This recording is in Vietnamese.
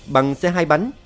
bằng xe hai bánh